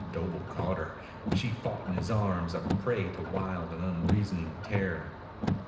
Doble caught her. She fought in his arms, a prey to wild and unreasoning terror.